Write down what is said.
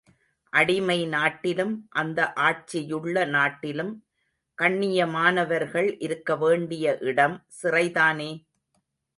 அடிமை நாட்டிலும் அந்த ஆட்சியுள்ள நாட்டிலும் கண்ணியமானவர்கள் இருக்க வேண்டிய இடம் சிறைதானே!